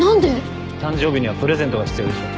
誕生日にはプレゼントが必要でしょ。